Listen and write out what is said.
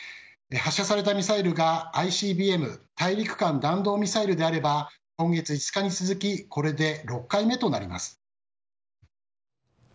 発射されたミサイルがＩＣＢＭ・大陸間弾道ミサイルであれば今月５日に続いてこれで６回目となります。